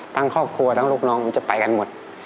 ครอบครัวทั้งลูกน้องมันจะไปกันหมด